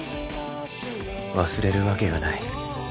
忘れるわけがない。